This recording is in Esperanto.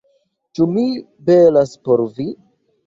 - Ĉu mi belas por vi?